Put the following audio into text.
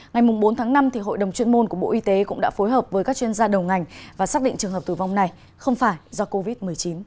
ngày bốn tháng năm hội đồng chuyên môn của bộ y tế cũng đã phối hợp với các chuyên gia đầu ngành và xác định trường hợp tử vong này không phải do covid một mươi chín